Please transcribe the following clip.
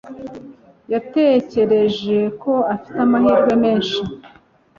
yatekereje ko afite amahirwe menshi